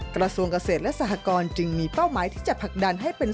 กระทรวงเกษตรและสหกรจึงมีเป้าหมายที่จะผลักดันให้เป็น